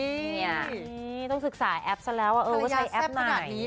อุ๊ยต้องศึกษาแอปซะแล้วว่าใช้แอปไหนภรรยาแซ่บขนาดนี้